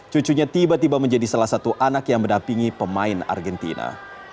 cucunya tiba tiba menjadi salah satu anak yang mendapingi pemain argentina